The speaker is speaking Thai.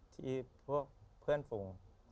ที่พวกเพื่อนฝูง